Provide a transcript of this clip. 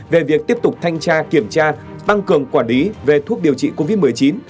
về việc tiếp tục thanh tra kiểm tra tăng cường quản lý về thuốc điều trị covid một mươi chín